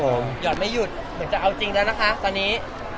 หยอดไม่หยุดเหมือนจะเอาจริงแล้วนะคะตอนนี้